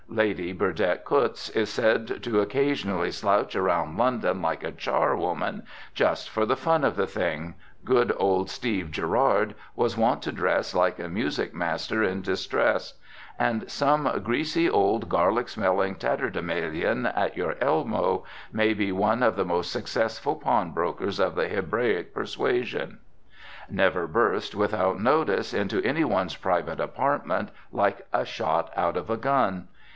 Lady Burdette Coutts is said to occasionally slouch around London like a charwoman just for the fun of the thing; good old Steve Girard was wont to dress like a music master in distress; and some greasy, old, garlic smelling tatterdemalion at your elbow may be one of the most successful pawnbrokers of the Hebraic persuasion. Never burst, without notice, into any one's private apartment like a shot out of a gun.